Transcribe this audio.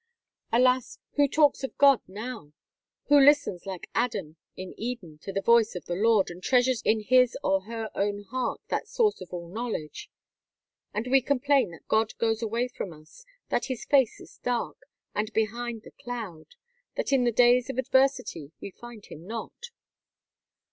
Alas! who talks of God now! who listens like Adam in Eden to the voice of the Lord, and treasures in his or her own heart that source of all knowledge? And we complain that God goes away from us; that His face is dark, and behind the cloud; that in the days of adversity we find him not.